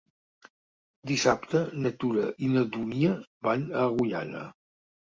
Dissabte na Tura i na Dúnia van a Agullana.